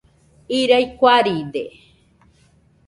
Irai kuaride.